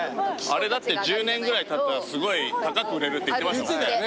あれだって１０年ぐらいたったらすごい高く売れるって言ってましたもんね。